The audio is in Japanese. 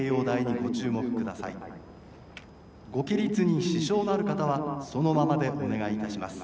ご起立に支障のある方はそのままでお願いいたします。